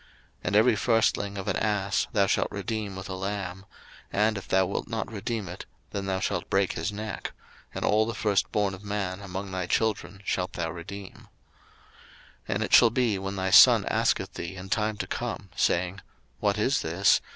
02:013:013 And every firstling of an ass thou shalt redeem with a lamb; and if thou wilt not redeem it, then thou shalt break his neck: and all the firstborn of man among thy children shalt thou redeem. 02:013:014 And it shall be when thy son asketh thee in time to come, saying, What is this?